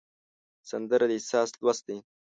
سندره د احساس لوست دی